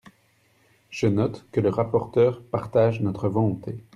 Je note que le rapporteur partage notre volonté.